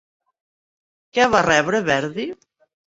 Què va rebre Verdi?